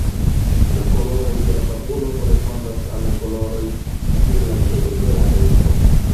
La koloroj de la tabulo korespondas al la koloroj de la reto.